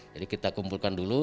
jadi kita kumpulkan dulu